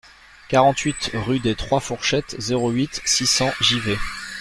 quarante-huit rue des trois Fourchettes, zéro huit, six cents, Givet